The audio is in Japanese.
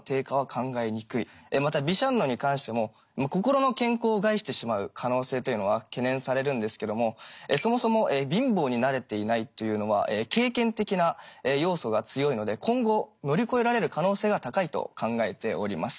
またビシャンノに関しても心の健康を害してしまう可能性というのは懸念されるんですけどもそもそも貧乏に慣れていないというのは経験的な要素が強いので今後乗り越えられる可能性が高いと考えております。